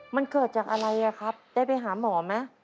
มันเกิดจากอะไรครับได้ไปหาหมอไหม